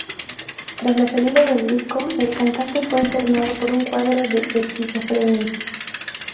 Tras la salida del disco, el cantante fue internado por un cuadro de esquizofrenia.